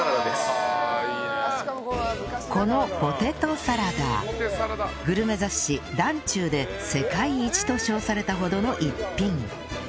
このポテトサラダグルメ雑誌『ｄａｎｃｙｕ』で世界一と称されたほどの一品